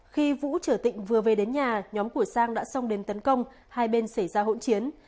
khi vũ trở tịnh vừa về đến nhà nhóm của sang đã xong đền tấn công hai bên xảy ra hỗn chiến